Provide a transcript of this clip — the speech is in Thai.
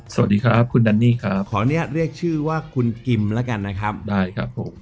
สวัสดีครับคุณดันนี่ครับขออนุญาตเรียกชื่อว่าคุณกิมแล้วกันนะครับได้ครับผม